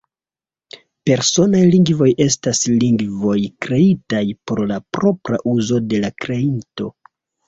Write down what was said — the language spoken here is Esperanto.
Personaj lingvoj estas lingvoj kreitaj por la propra uzo de la kreinto.